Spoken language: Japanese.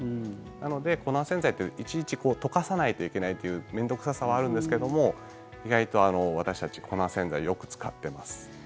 なので粉洗剤といういちいち溶かさないといけないという面倒臭さはあるんですけども意外と私たち粉洗剤をよく使ってます。